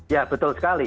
ya betul sekali